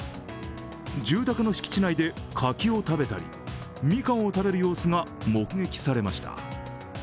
住宅の敷地内で柿を食べたり、みかんを食べる様子が目撃されました。